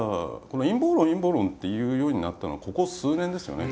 「陰謀論陰謀論」って言うようになったのはここ数年ですよね。